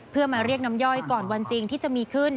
เพื่อมาเรียกน้ำย่อยก่อนวันจริงที่จะมีขึ้น